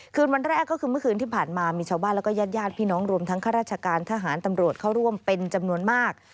คืนวันแรกก็คือเมื่อคืนที่ผ่านมามีชาวบ้านแล้วก็ญาติญาติพี่น้องรวมทั้งข้าราชการทหารตำรวจเข้าร่วมเป็นจำนวนมาก